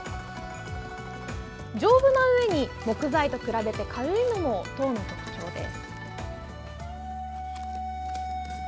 丈夫なうえに木材と比べて軽いのも籐の特徴です。